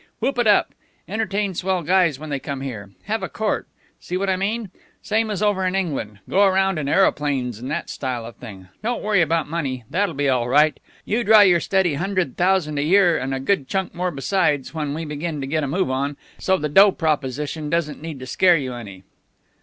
Whoop it up. Entertain swell guys when they come here. Have a Court see what I mean? same as over in England. Go around in aeroplanes and that style of thing. Don't worry about money. That'll be all right. You draw your steady hundred thousand a year and a good chunk more besides, when we begin to get a move on, so the dough proposition doesn't need to scare you any."